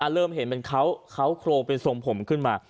เริ่มเห็นเป็นเขาโครงเป็นทรงผมขึ้นมา